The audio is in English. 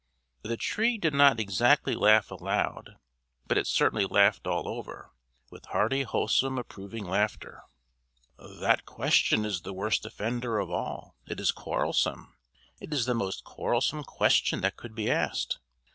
The Tree did not exactly laugh aloud, but it certainly laughed all over with hearty wholesome approving laughter. "That question is the worst offender of all; it is quarrelsome! It is the most quarrelsome question that could be asked.